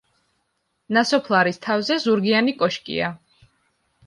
ნასოფლარის თავზე ზურგიანი კოშკია.